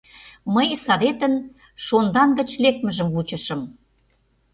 Мый садетын шондан гыч лекмыжым вучышым.